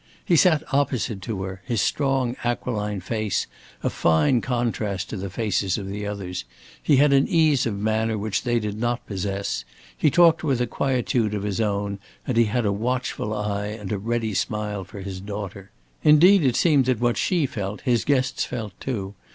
He sat opposite to her, his strong aquiline face a fine contrast to the faces of the others; he had an ease of manner which they did not possess; he talked with a quietude of his own, and he had a watchful eye and a ready smile for his daughter. Indeed, it seemed that what she felt his guests felt too.